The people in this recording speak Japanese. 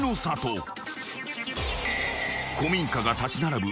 ［古民家が立ち並ぶ